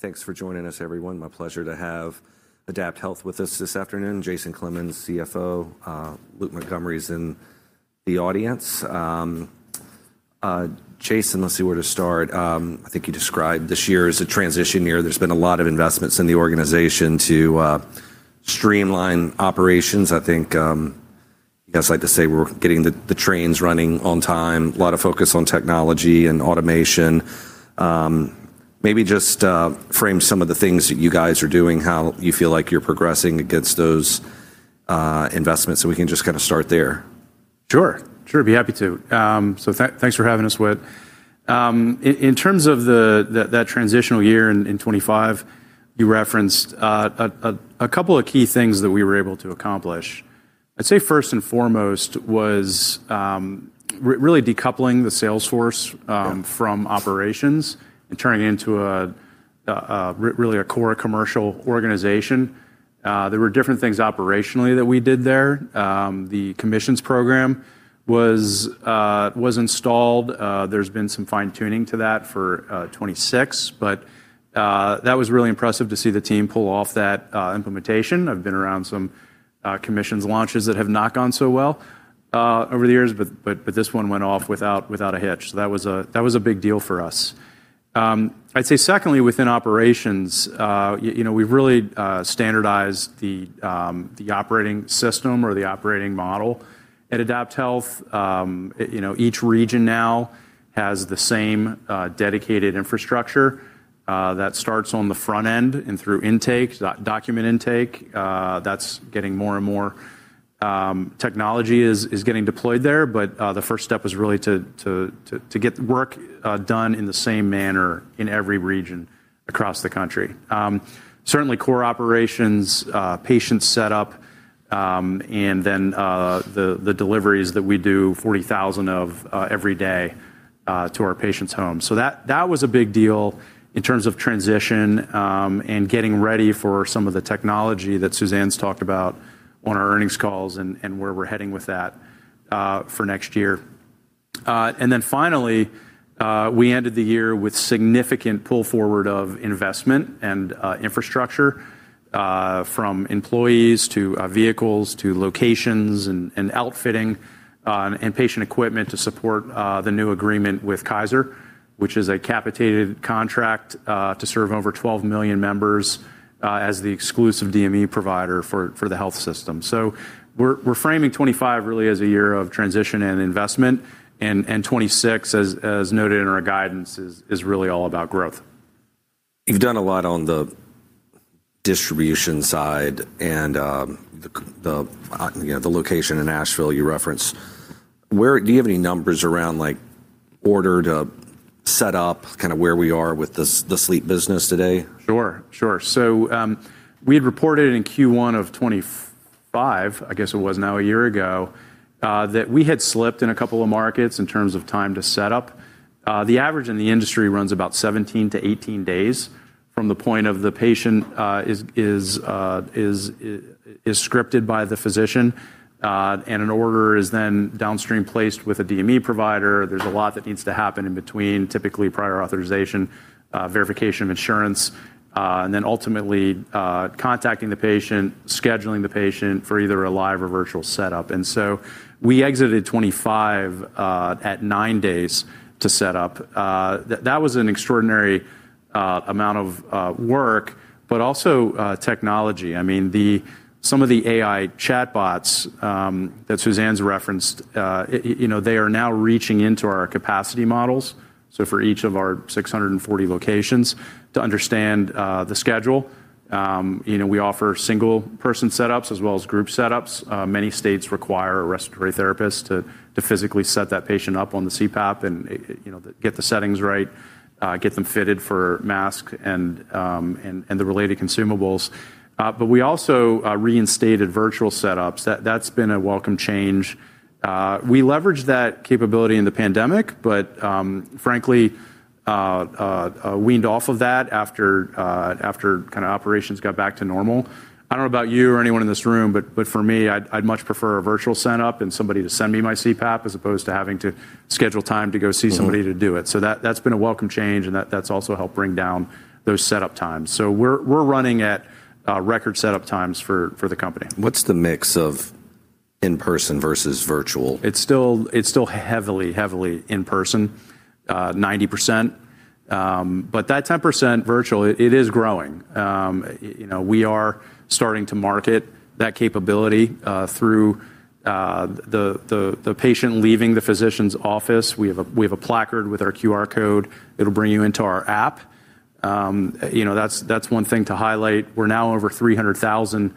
Thanks for joining us everyone. My pleasure to have AdaptHealth with us this afternoon. Jason Clemens, CFO, Luke Montgomery's in the audience. Jason, let's see where to start. I think you described this year as a transition year. There's been a lot of investments in the organization to streamline operations. I think, you guys like to say we're getting the trains running on time, a lot of focus on technology and automation. Maybe just frame some of the things that you guys are doing, how you feel like you're progressing against those investments, so we can just kinda start there. Sure. Sure. Be happy to. Thanks for having us, Whit. In terms of that transitional year in 2025 you referenced, a couple of key things that we were able to accomplish. I'd say first and foremost was really decoupling the sales force- Yep... from operations and turning into a really core commercial organization. There were different things operationally that we did there. The commissions program was installed. There's been some fine-tuning to that for 2026, that was really impressive to see the team pull off that implementation. I've been around some commissions launches that have not gone so well over the years, this one went off without a hitch. That was a big deal for us. I'd say secondly, within operations, you know, we've really standardized the operating system or the operating model at AdaptHealth. You know, each region now has the same dedicated infrastructure that starts on the front end and through intake, document intake. That's getting more and more technology is getting deployed there. The first step is really to get work done in the same manner in every region across the country. Certainly core operations, patient setup, and then the deliveries that we do 40,000 of every day to our patients' homes. That was a big deal in terms of transition and getting ready for some of the technology that Suzanne's talked about on our earnings calls and where we're heading with that for next year. Then finally, we ended the year with significant pull forward of investment and infrastructure from employees to vehicles to locations and outfitting and patient equipment to support the new agreement with Kaiser Permanente, which is a capitated contract, to serve over 12 million members as the exclusive DME provider for the health system. We're framing 2025 really as a year of transition and investment. 2026 as noted in our guidance is really all about growth. You've done a lot on the distribution side and, you know, the location in Asheville you referenced. Do you have any numbers around like order to set up, kinda where we are with the sleep business today? Sure. Sure. We had reported in Q1 of 2025, I guess it was now a year ago, that we had slipped in a couple of markets in terms of time to set up. The average in the industry runs about 17-18 days from the point of the patient is scripted by the physician, and an order is then downstream placed with a DME provider. There's a lot that needs to happen in between, typically prior authorization, verification of insurance, and then ultimately, contacting the patient, scheduling the patient for either a live or virtual setup. We exited 2025, at nine days to set up. That was an extraordinary amount of work, but also technology. I mean, some of the AI chatbots, that Suzanne's referenced, you know, they are now reaching into our capacity models, so for each of our 640 locations to understand the schedule. You know, we offer single person setups as well as group setups. Many states require a respiratory therapist to physically set that patient up on the CPAP and, you know, get the settings right, get them fitted for mask and the related consumables. We also reinstated virtual setups. That's been a welcome change. We leveraged that capability in the pandemic, but frankly, weaned off of that after kinda operations got back to normal. I don't know about you or anyone in this room, but for me, I'd much prefer a virtual setup and somebody to send me my CPAP as opposed to having to schedule time to go see somebody to do it. Mm-hmm. That's been a welcome change, and that's also helped bring down those setup times. We're running at record setup times for the company. What's the mix of in-person versus virtual? It's still heavily in person, 90%. That 10% virtual, it is growing. You know, we are starting to market that capability through the patient leaving the physician's office. We have a placard with our QR code. It'll bring you into our app. You know, that's one thing to highlight. We're now over 300,000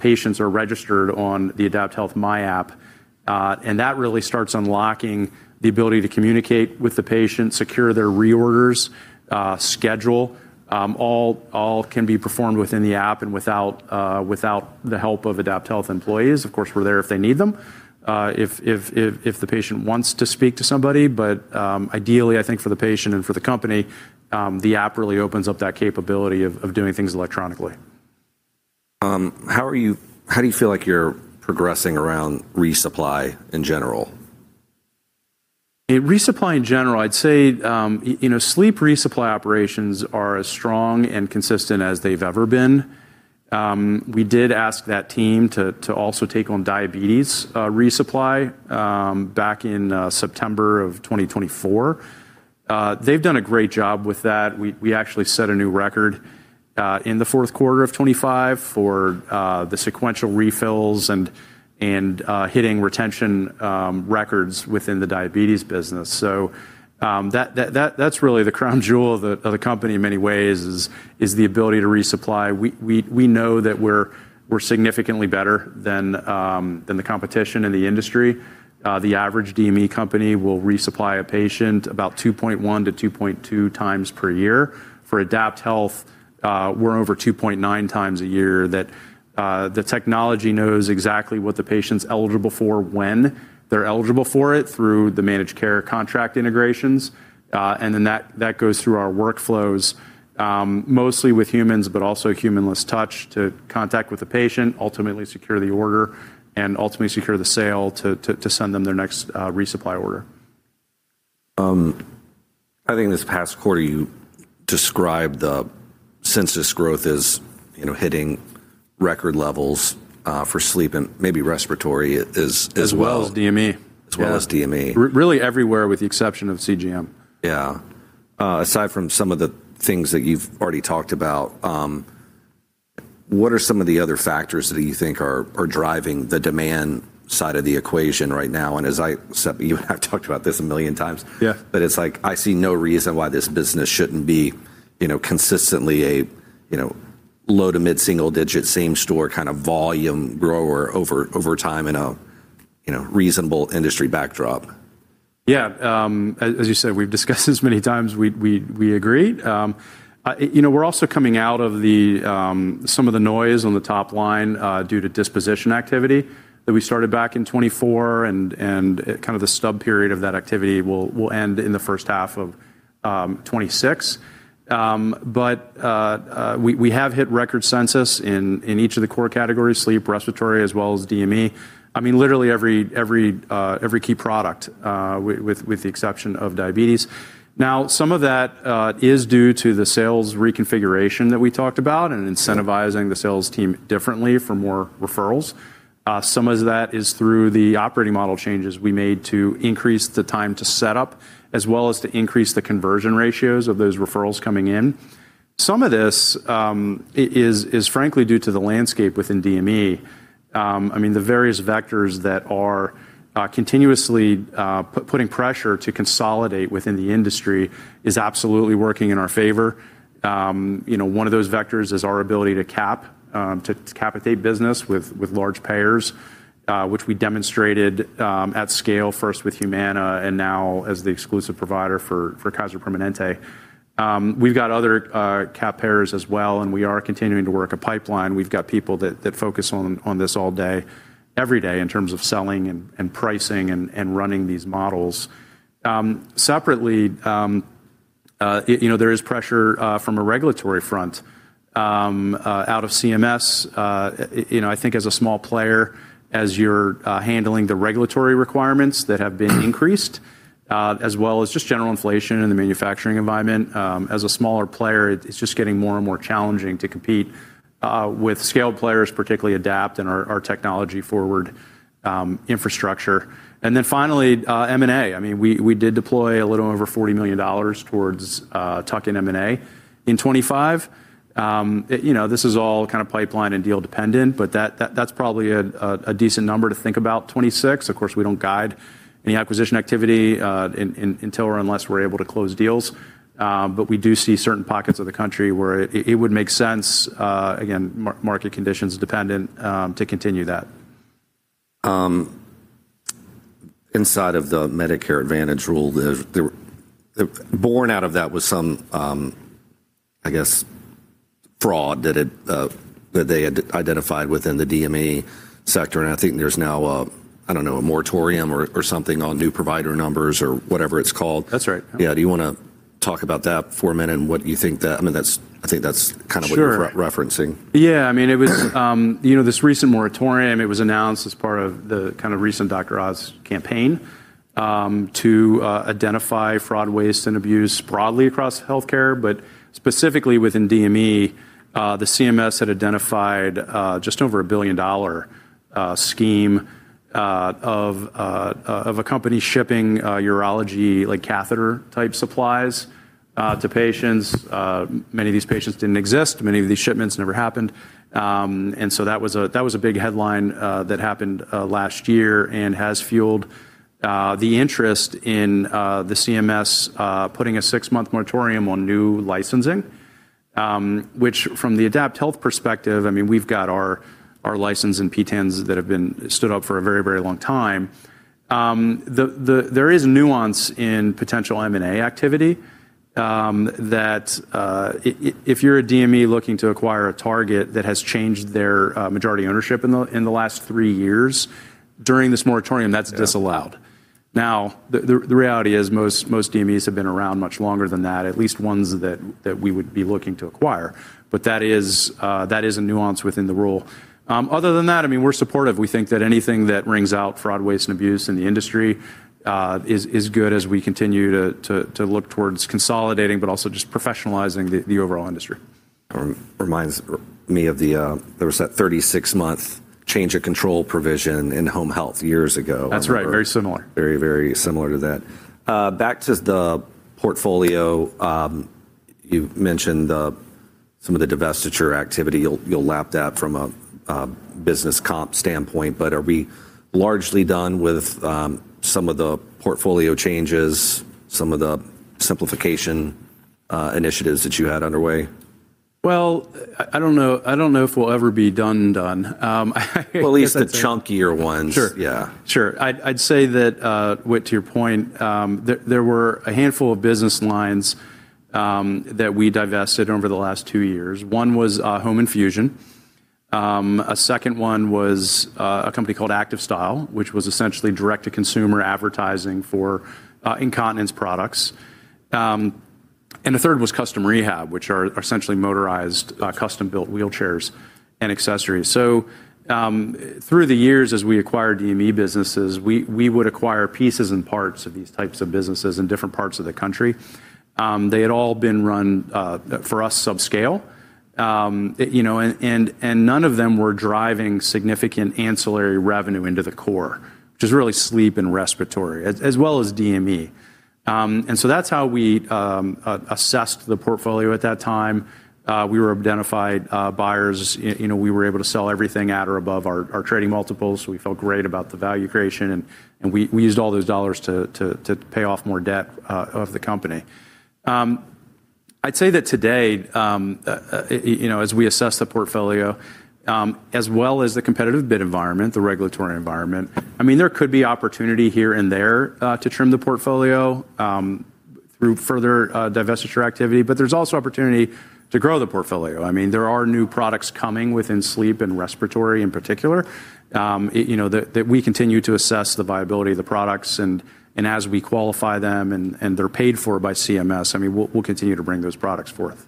patients are registered on the AdaptHealth myAPP. That really starts unlocking the ability to communicate with the patient, secure their reorders, schedule. All can be performed within the app and without the help of AdaptHealth employees. Of course, we're there if they need them. If the patient wants to speak to somebody. Ideally, I think for the patient and for the company, the app really opens up that capability of doing things electronically. How do you feel like you're progressing around resupply in general? In resupply in general, I'd say, you know, sleep resupply operations are as strong and consistent as they've ever been. We did ask that team to also take on diabetes resupply back in September 2024. They've done a great job with that. We actually set a new record in the fourth quarter of 2025 for the sequential refills and hitting retention records within the diabetes business. That's really the crown jewel of the company in many ways is the ability to resupply. We know that we're significantly better than the competition in the industry. The average DME company will resupply a patient about 2.1x-2.2x per year. For AdaptHealth, we're over 2.9x a year that the technology knows exactly what the patient's eligible for when they're eligible for it through the managed care contract integrations. That goes through our workflows, mostly with humans, but also humanless touch to contact with the patient, ultimately secure the order and ultimately secure the sale to send them their next resupply order. I think this past quarter, you described the census growth as, you know, hitting record levels, for sleep and maybe respiratory as well. As well as DME. As well as DME. Really everywhere with the exception of CGM. Yeah. Aside from some of the things that you've already talked about, what are some of the other factors that you think are driving the demand side of the equation right now? As I said, you and I have talked about this a million times. Yeah. It's like, I see no reason why this business shouldn't be, you know, consistently a, you know, low to mid-single digit same store kind of volume grower over time in a, you know, reasonable industry backdrop. Yeah. As, as you said, we've discussed this many times. We agree. You know, we're also coming out of the some of the noise on the top line due to disposition activity that we started back in 2024 and kind of the stub period of that activity will end in the first half of 2026. We have hit record census in each of the core categories, sleep, respiratory, as well as DME. I mean, literally every key product with the exception of diabetes. Now, some of that is due to the sales reconfiguration that we talked about and incentivizing the sales team differently for more referrals. Some of that is through the operating model changes we made to increase the time to set up as well as to increase the conversion ratios of those referrals coming in. Some of this is frankly due to the landscape within DME. I mean, the various vectors that are continuously putting pressure to consolidate within the industry is absolutely working in our favor. You know, one of those vectors is our ability to cap to capitate business with large payers, which we demonstrated at scale first with Humana and now as the exclusive provider for Kaiser Permanente. We've got other cap payers as well, and we are continuing to work a pipeline. We've got people that focus on this all day, every day in terms of selling and pricing and running these models. Separately, you know, there is pressure from a regulatory front, out of CMS. You know, I think as a small player, as you're handling the regulatory requirements that have been increased, as well as just general inflation in the manufacturing environment, as a smaller player, it's just getting more and more challenging to compete with scaled players, particularly Adapt and our technology forward infrastructure. Finally, M&A. I mean, we did deploy a little over $40 million towards tuck in M&A in 2025. You know, this is all kind of pipeline and deal dependent, but that's probably a decent number to think about 2026. Of course, we don't guide any acquisition activity until or unless we're able to close deals. We do see certain pockets of the country where it would make sense, again, market conditions dependent, to continue that. Inside of the Medicare Advantage rule, born out of that was some, I guess, fraud that had, that they had identified within the DME sector. I think there's now a, I don't know, a moratorium or something on new provider numbers or whatever it's called. That's right. Yeah. Do you wanna talk about that for a minute and what you think I mean, I think that's kind of what... Sure. ...you're re-referencing. Yeah. I mean, it was, you know, this recent moratorium, it was announced as part of the kind of recent Dr. Oz campaign to identify fraud, waste, and abuse broadly across healthcare. Specifically within DME, the CMS had identified just over a billion-dollar scheme of a company shipping urology, like catheter type supplies to patients. Many of these patients didn't exist, many of these shipments never happened. That was a big headline that happened last year and has fueled the interest in the CMS putting a six-month moratorium on new licensing. Which from the AdaptHealth perspective, I mean, we've got our license and PTANs that have been stood up for a very, very long time. There is nuance in potential M&A activity that if you're a DME looking to acquire a target that has changed their majority ownership in the last three years during this moratorium, that's disallowed. The reality is most DMEs have been around much longer than that, at least ones that we would be looking to acquire. That is a nuance within the rule. Other than that, I mean, we're supportive. We think that anything that wrings out fraud, waste, and abuse in the industry is good as we continue to look towards consolidating, but also just professionalizing the overall industry. reminds me of the there was that 36-month change of control provision in home health years ago. That's right. Very similar. Very similar to that. Back to the portfolio. You've mentioned some of the divestiture activity. You'll lap that from a business comp standpoint. Are we largely done with some of the portfolio changes, some of the simplification initiatives that you had underway? Well, I don't know if we'll ever be done. That's it. Well, at least the chunkier ones. Sure. Yeah. Sure. I'd say that, Whit, to your point, there were a handful of business lines that we divested over the last two years. One was home infusion. A second one was a company called ActivStyle, which was essentially direct-to-consumer advertising for incontinence products. The third was Custom Rehab, which are essentially motorized, custom-built wheelchairs and accessories. Through the years, as we acquired DME businesses, we would acquire pieces and parts of these types of businesses in different parts of the country. They had all been run for us subscale. You know, and none of them were driving significant ancillary revenue into the core, which is really sleep and respiratory, as well as DME. That's how we assessed the portfolio at that time. We were identified buyers. You know, we were able to sell everything at or above our trading multiples. We felt great about the value creation and we used all those dollars to pay off more debt of the company. I'd say that today, you know, as we assess the portfolio, as well as the competitive bid environment, the regulatory environment, I mean, there could be opportunity here and there to trim the portfolio through further divestiture activity, but there's also opportunity to grow the portfolio. I mean, there are new products coming within sleep and respiratory in particular, you know, that we continue to assess the viability of the products and as we qualify them and they're paid for by CMS, I mean, we'll continue to bring those products forth.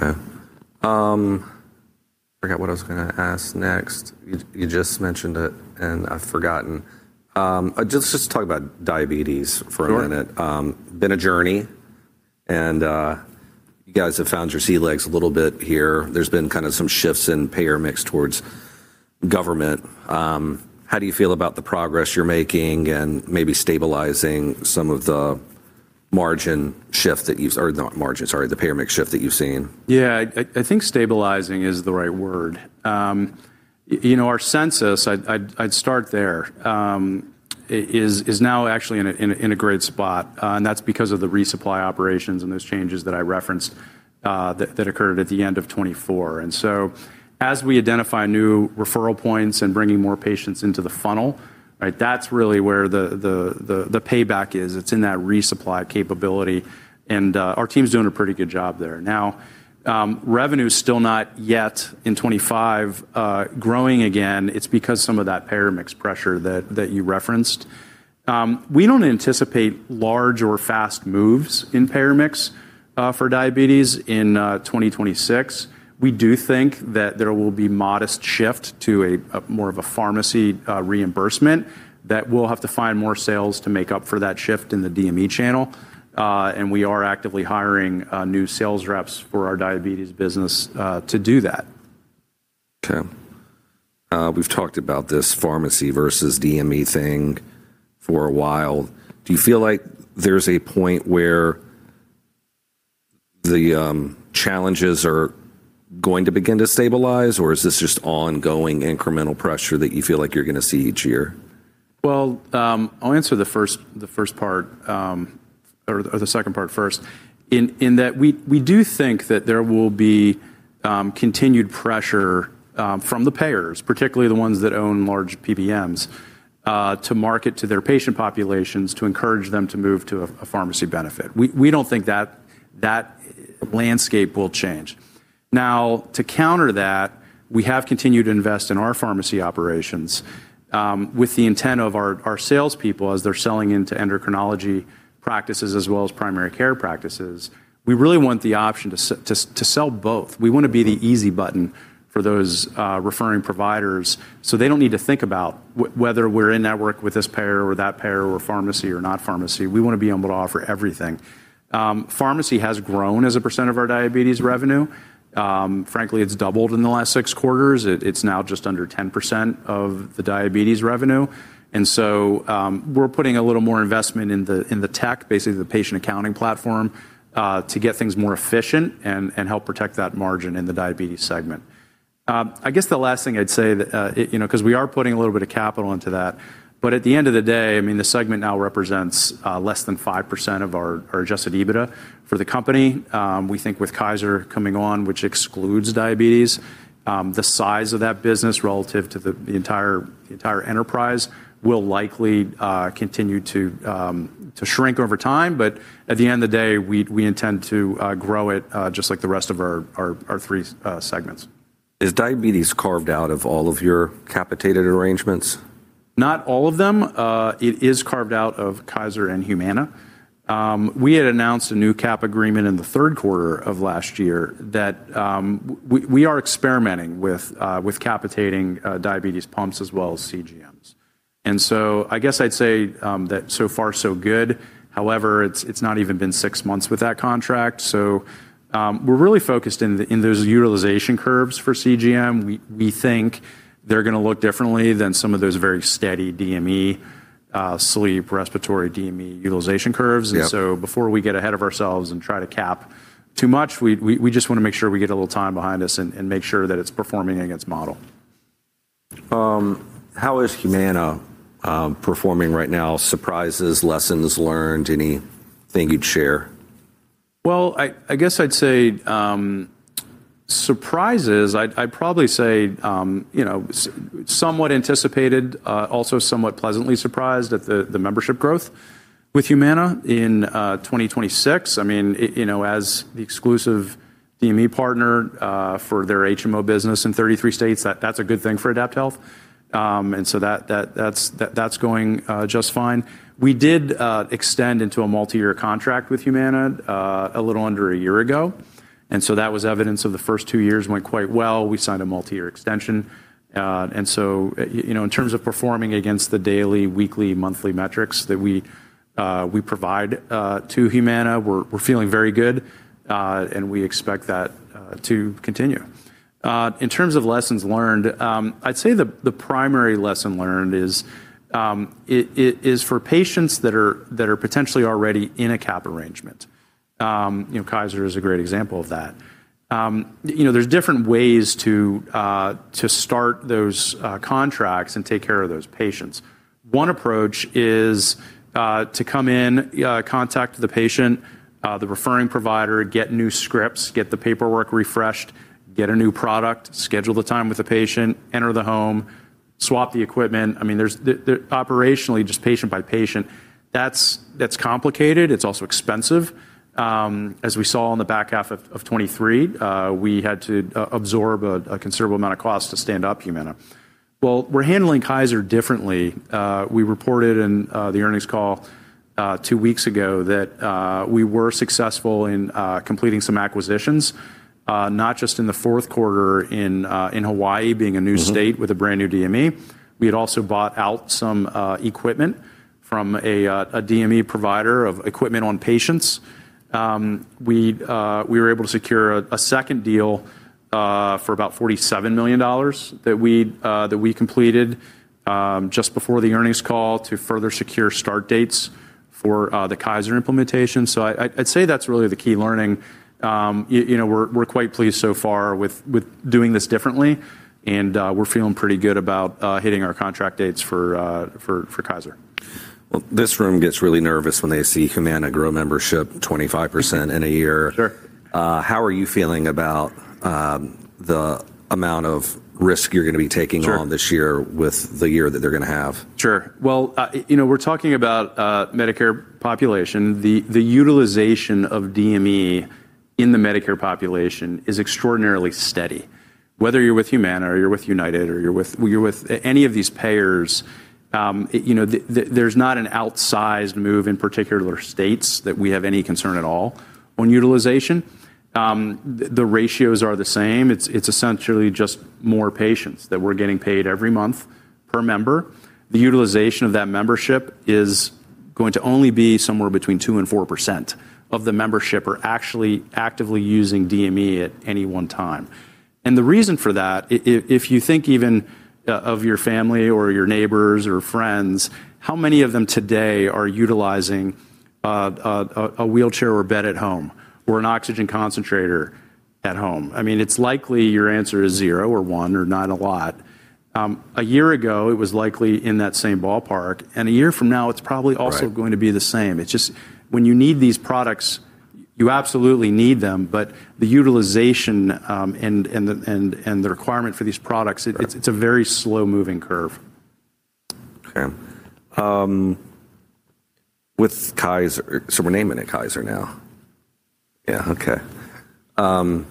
Okay. Forgot what I was gonna ask next. You just mentioned it, I've forgotten. Just talk about diabetes for a minute. Sure. Been a journey, and you guys have found your sea legs a little bit here. There's been kinda some shifts in payer mix towards government. How do you feel about the progress you're making and maybe stabilizing some of the payer mix shift that you've seen? Yeah. I think stabilizing is the right word. You know, our census, I'd start there, is now actually in a great spot. That's because of the resupply operations and those changes that I referenced that occurred at the end of 2024. As we identify new referral points and bringing more patients into the funnel, right? That's really where the payback is. It's in that resupply capability, and our team's doing a pretty good job there. Revenue's still not yet in 2025 growing again. It's because some of that payer mix pressure that you referenced. We don't anticipate large or fast moves in payer mix for diabetes in 2026. We do think that there will be modest shift to a more of a pharmacy reimbursement that we'll have to find more sales to make up for that shift in the DME channel. We are actively hiring new sales reps for our diabetes business to do that. Okay. We've talked about this pharmacy versus DME thing for a while. Do you feel like there's a point where the challenges are going to begin to stabilize, or is this just ongoing incremental pressure that you feel like you're gonna see each year? I'll answer the first part or the second part first. In that we do think that there will be continued pressure from the payers, particularly the ones that own large PBMs, to market to their patient populations to encourage them to move to a pharmacy benefit. We don't think that that landscape will change. To counter that, we have continued to invest in our pharmacy operations with the intent of our salespeople as they're selling into endocrinology practices as well as primary care practices. We really want the option to sell both. We wanna be the easy button for those referring providers, so they don't need to think about whether we're in network with this payer or that payer or pharmacy or not pharmacy. We wanna be able to offer everything. Pharmacy has grown as a percent of our diabetes revenue. Frankly, it's doubled in the last six quarters. It's now just under 10% of the diabetes revenue. We're putting a little more investment in the tech, basically the patient accounting platform, to get things more efficient and help protect that margin in the diabetes segment. I guess the last thing I'd say that, you know, 'cause we are putting a little bit of capital into that, I mean, the segment now represents less than 5% of our Adjusted EBITDA for the company. We think with Kaiser coming on, which excludes diabetes, the size of that business relative to the entire enterprise will likely continue to shrink over time, but at the end of the day, we intend to grow it just like the rest of our three segments. Is diabetes carved out of all of your capitated arrangements? Not all of them. It is carved out of Kaiser and Humana. We had announced a new cap agreement in the third quarter of last year that we are experimenting with capitating diabetes pumps as well as CGMs. I guess I'd say that so far so good. However, it's not even been six months with that contract. We're really focused in those utilization curves for CGM. We think they're gonna look differently than some of those very steady DME, sleep, respiratory DME utilization curves. Yep. Before we get ahead of ourselves and try to cap too much, we just wanna make sure we get a little time behind us and make sure that it's performing against model. How is Humana performing right now? Surprises, lessons learned? Anything you'd share? Well, I guess I'd say, surprises, I'd probably say, you know, somewhat anticipated, also somewhat pleasantly surprised at the membership growth with Humana in 2026. I mean, you know, as the exclusive DME partner for their HMO business in 33 states, that's a good thing for AdaptHealth. That's going just fine. We did extend into a multi-year contract with Humana a little under a year ago, that was evidence of the first two years went quite well. We signed a multi-year extension. You know, in terms of performing against the daily, weekly, monthly metrics that we provide to Humana, we're feeling very good, and we expect that to continue. In terms of lessons learned, I'd say the primary lesson learned is for patients that are potentially already in a cap arrangement. You know, Kaiser is a great example of that. You know, there's different ways to start those contracts and take care of those patients. One approach is to come in, contact the patient, the referring provider, get new scripts, get the paperwork refreshed, get a new product, schedule the time with the patient, enter the home, swap the equipment. I mean, operationally, just patient by patient, that's complicated. It's also expensive. As we saw on the back half of 2023, we had to absorb a considerable amount of cost to stand up Humana. Well, we're handling Kaiser differently. We reported in the earnings call, two weeks ago that we were successful in completing some acquisitions, not just in the fourth quarter in Hawaii being a new- Mm-hmm state with a brand-new DME. We had also bought out some equipment from a DME provider of equipment on patients. We were able to secure a second deal for about $47 million that we'd that we completed just before the earnings call to further secure start dates for the Kaiser implementation. I'd say that's really the key learning. You know, we're quite pleased so far with doing this differently and we're feeling pretty good about hitting our contract dates for Kaiser. Well, this room gets really nervous when they see Humana grow membership 25% in a year. Sure. How are you feeling about the amount of risk you're gonna be taking on- Sure... this year with the year that they're gonna have? Sure. Well, you know, we're talking about Medicare population. The utilization of DME in the Medicare population is extraordinarily steady. Whether you're with Humana or you're with United or you're with any of these payers, there's not an outsized move in particular states that we have any concern at all on utilization. The ratios are the same. It's essentially just more patients that we're getting paid every month per member. The utilization of that membership is going to only be somewhere between 2% and 4% of the membership are actually actively using DME at any one time. The reason for that if you think even of your family or your neighbors or friends, how many of them today are utilizing a wheelchair or bed at home or an oxygen concentrator at home? I mean, it's likely your answer is zero or one or not a lot. A year ago, it was likely in that same ballpark, and a year from now, it's probably- Right... going to be the same. It's just when you need these products, you absolutely need them. The utilization and the requirement for these products- Right... it's a very slow-moving curve. Okay. We're naming it Kaiser now? Yeah. Okay.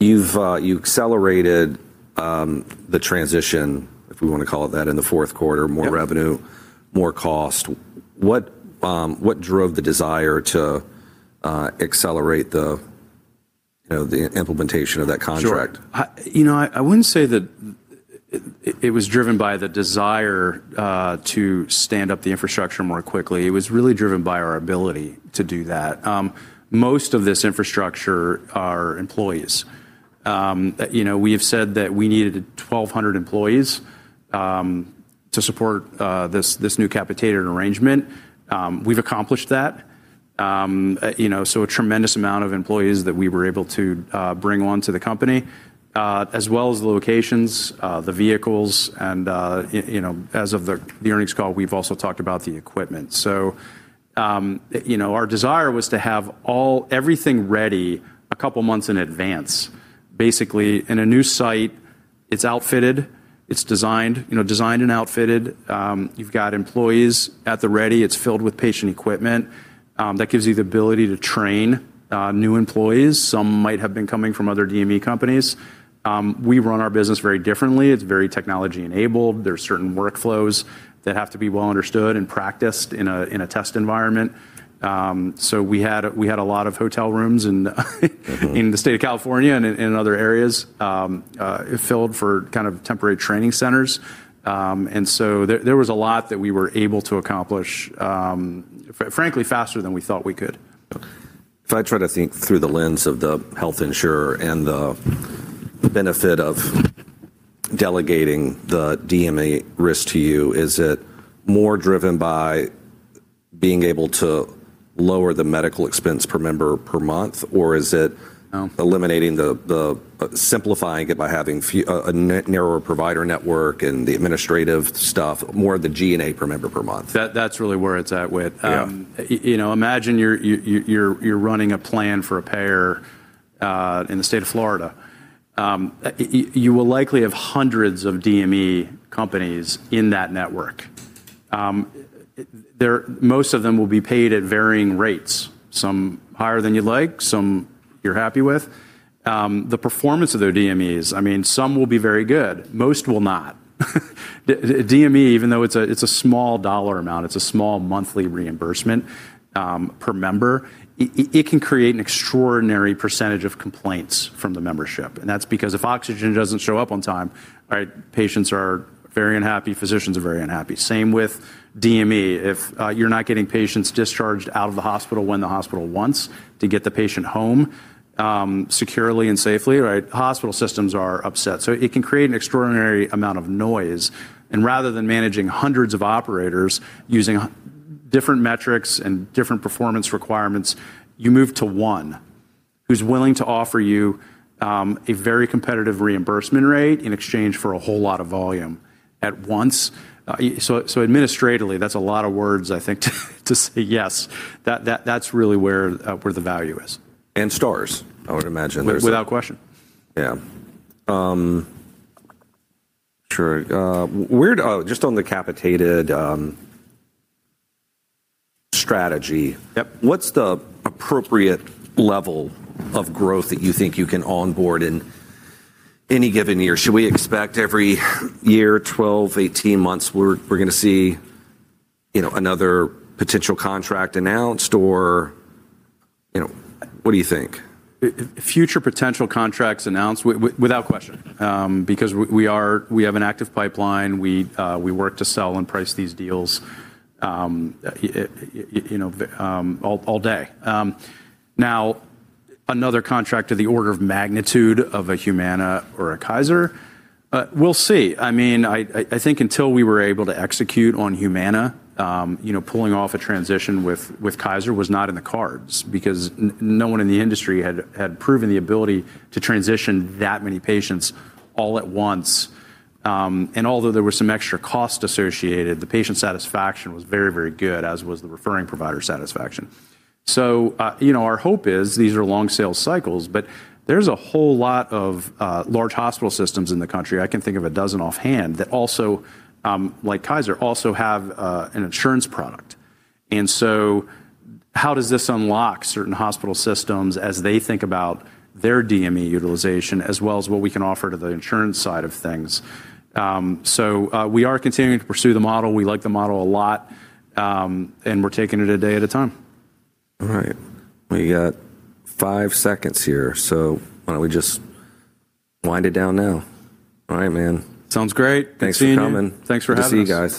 You've accelerated the transition, if we wanna call it that, in the fourth quarter. Yep. More revenue, more cost. What, what drove the desire to, you know, accelerate the implementation of that contract? Sure. You know, I wouldn't say that it was driven by the desire to stand up the infrastructure more quickly. It was really driven by our ability to do that. Most of this infrastructure are employees. You know, we have said that we needed 1,200 employees to support this new capitated arrangement. We've accomplished that. You know, so a tremendous amount of employees that we were able to bring onto the company, as well as the locations, the vehicles, and you know, as of the earnings call, we've also talked about the equipment. You know, our desire was to have everything ready a couple months in advance. Basically in a new site-It's outfitted, it's designed and outfitted. You've got employees at the ready. It's filled with patient equipment that gives you the ability to train new employees. Some might have been coming from other DME companies. We run our business very differently. It's very technology-enabled. There's certain workflows that have to be well understood and practiced in a test environment. We had a lot of hotel rooms in the state of California and in other areas filled for kind of temporary training centers. There was a lot that we were able to accomplish frankly, faster than we thought we could. If I try to think through the lens of the health insurer and the benefit of delegating the DME risk to you, is it more driven by being able to lower the medical expense per member per month? Or is it... No ...eliminating the simplifying it by having a narrower provider network and the administrative stuff, more the G&A per member per month? That's really where it's at Whit. Yeah. You know, imagine you're running a plan for a payer in the state of Florida. You will likely have hundreds of DME companies in that network. Most of them will be paid at varying rates, some higher than you'd like, some you're happy with. The performance of their DMEs, I mean, some will be very good, most will not. DME, even though it's a small dollar amount, it's a small monthly reimbursement per member, it can create an extraordinary percentage of complaints from the membership, that's because if oxygen doesn't show up on time, right, patients are very unhappy, physicians are very unhappy. Same with DME. If you're not getting patients discharged out of the hospital when the hospital wants to get the patient home securely and safely, right? Hospital systems are upset. It can create an extraordinary amount of noise, and rather than managing hundreds of operators using different metrics and different performance requirements, you move to one who's willing to offer you a very competitive reimbursement rate in exchange for a whole lot of volume at once. Administratively, that's a lot of words, I think, to say yes. That's really where the value is. Stars, I would imagine. Without question. Yeah. Sure. Just on the capitated, strategy... Yep... what's the appropriate level of growth that you think you can onboard in any given year? Should we expect every year, 12, 18 months, we're gonna see, you know, another potential contract announced or, you know, what do you think? Future potential contracts announced without question, because we have an active pipeline. We work to sell and price these deals, you know, all day. Now, another contract of the order of magnitude of a Humana or a Kaiser, we'll see. I mean, I think until we were able to execute on Humana, you know, pulling off a transition with Kaiser was not in the cards because no one in the industry had proven the ability to transition that many patients all at once. And although there was some extra cost associated, the patient satisfaction was very good, as was the referring provider satisfaction. you know, our hope is these are long sales cycles, there's a whole lot of large hospital systems in the country, I can think of 12 offhand, that also, like Kaiser, also have an insurance product. How does this unlock certain hospital systems as they think about their DME utilization as well as what we can offer to the insurance side of things? We are continuing to pursue the model. We like the model a lot, and we're taking it a day at a time. All right. We got five seconds here, so why don't we just wind it down now? All right, man. Sounds great. Good seeing you. Thanks for coming. Thanks for having us. Good to see you guys.